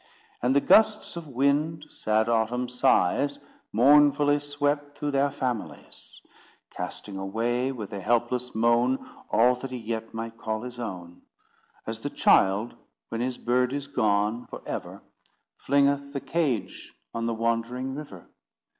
And the gusts of wind, sad Autumn's sighs, Mournfully swept through their families; Casting away with a helpless moan All that he yet might call his own, As the child, when his bird is gone for ever, Flingeth the cage on the wandering river.